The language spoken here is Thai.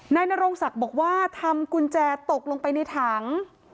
นโรงศักดิ์บอกว่าทำกุญแจตกลงไปในถัง